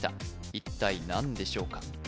一体何でしょうか？